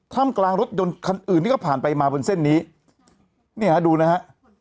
่ำกลางรถยนต์คันอื่นที่เขาผ่านไปมาบนเส้นนี้เนี่ยฮะดูนะฮะ